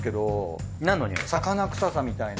魚臭さみたいな。